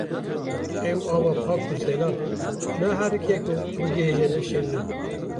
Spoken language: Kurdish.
ew ava pak û zelal naherike ku bigihîje nifşên nû